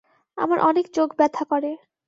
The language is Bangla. আমার অনেক চোখ ব্যথা করে।